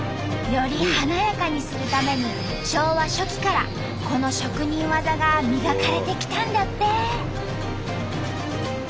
より華やかにするために昭和初期からこの職人技が磨かれてきたんだって。